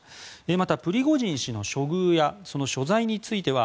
また、プリゴジン氏の処遇や所在については